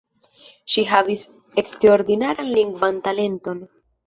Ŝi havis eksterordinaran lingvan talenton.